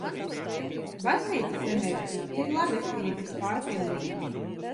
Baznīcas enerģija ir labestības pārpilnība.